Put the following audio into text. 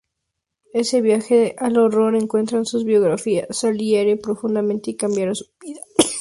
Ese viaje al horror, cuentan sus biografías, la hiere profundamente y cambiará su vida.